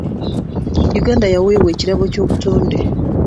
Uganda yaweebwa ekirabo ky'obutonde.